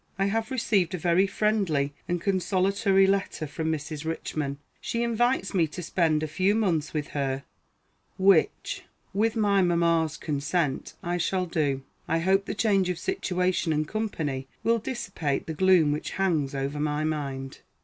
I have received a very friendly and consolatory letter from Mrs. Richman. She invites me to spend a few months with her, which, with my mamma's consent, I shall do. I hope the change of situation and company will dissipate the gloom which hangs over my mind.